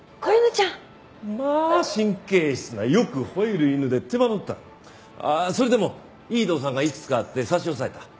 まあ神経質なよくほえる犬で手間取ったがそれでもいい動産がいくつかあって差し押さえた。